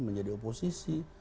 menjadi bagian dari oposisi